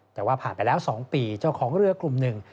แต่ว่าผ่านไปแล้ว๒ปีเจ้าของเรือกลุ่มหนึ่ง